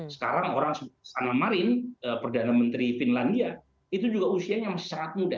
sekarang orang sudah kesana marin perdana menteri finlandia itu juga usianya masih sangat muda